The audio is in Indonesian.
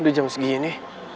udah jam segini